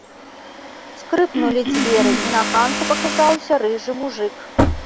Скрыпнулі дзверы, і на ганку паказаўся рыжы мужык.